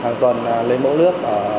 hàng tuần lấy mẫu nước